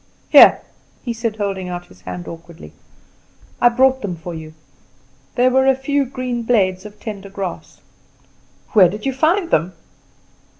Here!" he said, holding out his hand awkwardly, "I brought them for you." There were a few green blades of tender grass. "Where did you find them?"